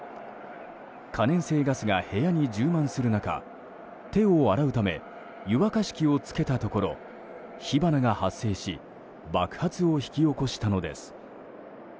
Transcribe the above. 可燃性ガスが部屋に充満する中手を洗うため湯沸かし器をつけたところ火花が発生し爆発を引き起こしたのです。